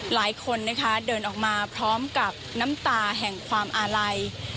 หลายคนนะคะเดินออกมาพร้อมกับน้ำตาแห่งความอาลัย